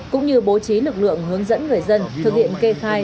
cũng như bố trí lực lượng hướng dẫn người dân thực hiện kê khai